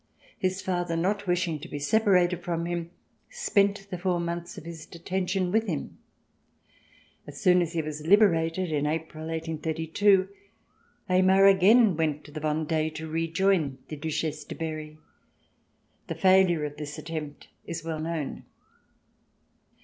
His father not wishing to be separated from him spent the four months of his detention with him. As soon as he was liberated in April, 1832, Aymar again went to the Vendee to rejoin the Duchesse de Berry. The failure of this attempt is well known.